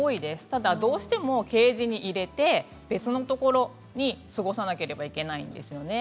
ただ、どうしてもケージに入れて別のところで過ごさなければいけないんですよね。